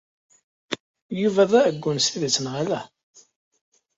Yuba d aɛeggun s tidet, neɣ ala?